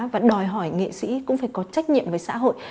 và đòi hỏi nghệ sĩ cũng phải có trách nhiệm với xã hội